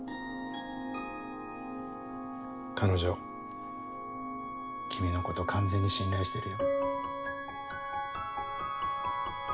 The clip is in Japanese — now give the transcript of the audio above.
彼女君のこと完全に信頼してるよ。